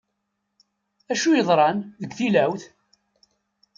Acu yeḍran, deg tilawt?